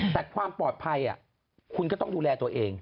แต่ความปลอดภัยคุณก็ต้องดูแลตัวเอง